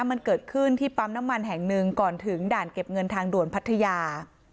มันเกิดขึ้นที่ปั๊มน้ำมันแห่งหนึ่งก่อนถึงด่านเก็บเงินทางด่วนพัทยา